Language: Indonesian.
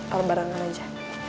orang barengan aja